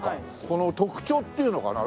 この特徴っていうのかな？